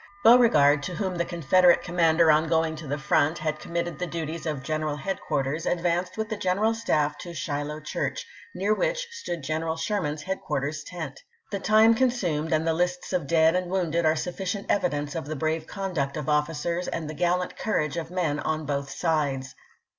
Beauregard, to whom the Confederate commander on going to the front had committed the duties of general headquarters, advanced with the general 326 ABKAHAM LINCOLN ch. xvm. staff to Sliiloh Church, near which stood General Sherman's headquarters' tent. The time consumed and the lists of dead and wounded are sufficient evidence of the brave conduct of officers and the gallant courage of men on both sides.